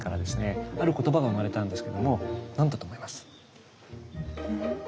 ある言葉が生まれたんですけども何だと思います？